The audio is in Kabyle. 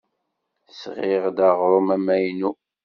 Sɣiɣ-d aɣrum amaynu.